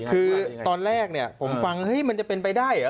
คือตอนแรกผมฟังมันจะเป็นไปได้เหรอ